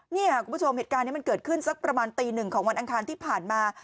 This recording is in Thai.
นี่ค่ะคุณผู้ชมเหตุการณ์นี้มันเกิดขึ้นสักประมาณตีหนึ่งของวันอังคารที่ผ่านมา